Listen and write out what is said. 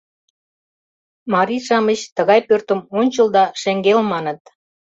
Марий-шамыч тыгай пӧртым «ончыл» да «шеҥгел» маныт.